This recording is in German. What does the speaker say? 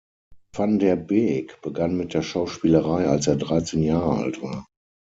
Van Der Beek begann mit der Schauspielerei, als er dreizehn Jahre alt war.